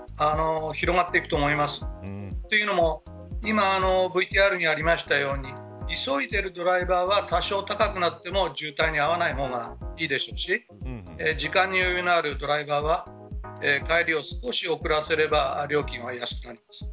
というのも今ＶＴＲにありましたように急いでいるドライバーは多少高くなっても渋滞に遭わない方がいいでしょうし時間に余裕のあるドライバーは帰りを少し遅らせれば料金は安くなります。